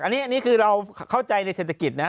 อันนี้คือเราเข้าใจในเศรษฐกิจนะครับ